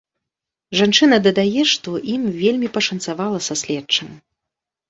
Жанчына дадае, што ім вельмі пашанцавала са следчым.